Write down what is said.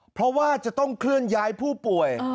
เพราะว่าจะต้องเคลื่อนย้ายผู้ป่วย